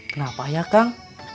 kenapa ya kang